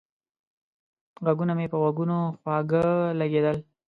غږونه مې په غوږونو خواږه لگېدل